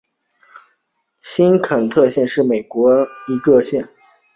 新肯特县是美国维吉尼亚州东部的一个县。